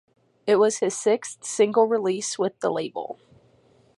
It was his sixth single release with the label.